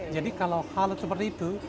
jadi kalau hal seperti itu